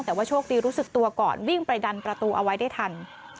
แต่ว่าโชคดีรู้สึกตัวก่อนวิ่งไปดันประตูเอาไว้ได้ทัน